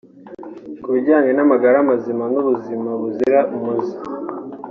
Ku bijyanye n’amagara mazima n’ubuzima buzira umuze